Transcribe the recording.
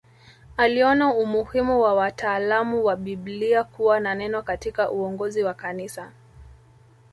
Aliona umuhimu wa wataalamu wa Biblia kuwa na neno katika uongozi wa kanisa